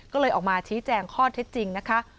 ก็เลยออกมาชี้แจงข้อเท็จจริงนะคะ